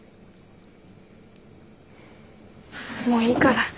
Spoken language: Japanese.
もういいから。